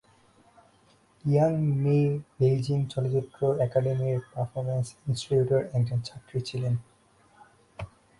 Young Mi Beijing চলচ্চিত্র একাডেমীর performance ইন্সটিটিউটের একজন ছাত্রী ছিলেন।